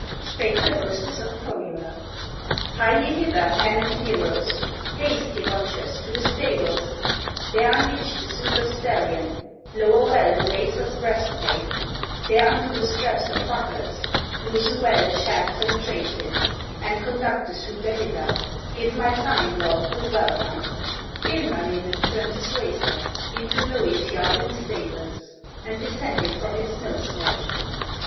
Spake the hostess of Pohyola: "Hie ye hither, men and heroes, Haste, ye watchers, to the stables, There unhitch the suitor's stallion, Lower well the racer's breast plate, There undo the straps and buckles, Loosen well the shafts and traces, And conduct the suitor hither, Give my son in law good welcome!" Ilmarinen turned his racer Into Louhi's yard and stables, And descended from his snow sledge.